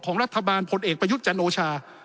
รัฐบาลพลเอกประยุทธ์จันโอชา